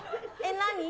何。